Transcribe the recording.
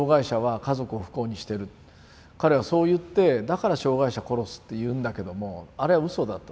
彼はそう言って「だから障害者殺す」って言うんだけどもあれはうそだと。